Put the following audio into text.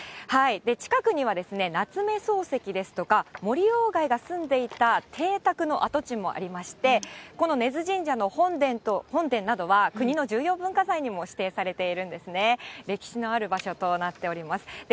近くには夏目漱石ですとか、森おうがいが住んでいた邸宅の跡地もありまして、この根津神社の本殿などは国の重要文化財に指定されているんですね。